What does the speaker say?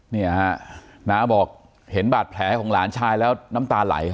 เนี่ยฮะน้าบอกเห็นบาดแผลของหลานชายแล้วน้ำตาไหล